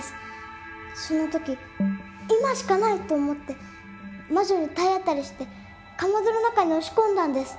その時「今しかない！」と思って魔女に体当たりしてかまどの中に押し込んだんです。